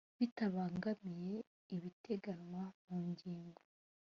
bitabangamiye ibiteganywa mu ngingo